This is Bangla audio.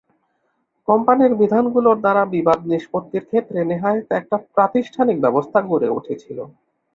কোম্পানির বিধানগুলোর দ্বারা বিবাদ নিষ্পত্তির ক্ষেত্রে নেহায়েত একটা প্রাতিষ্ঠানিক ব্যবস্থা গড়ে উঠেছিল।